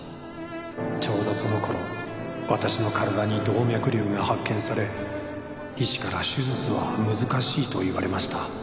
「ちょうどその頃私の体に動脈瘤が発見され医師から手術は難しいと言われました」